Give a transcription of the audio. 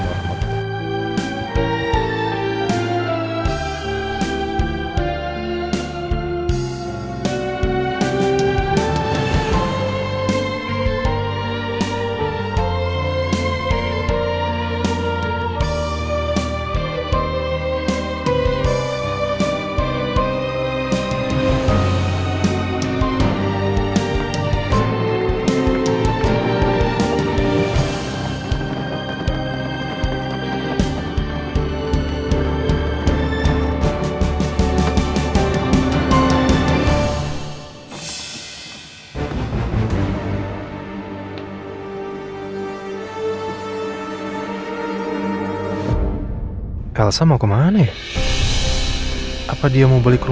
waalaikumsalam warahmatullahi wabarakatuh